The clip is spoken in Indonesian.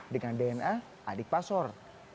dengan dna adik pansor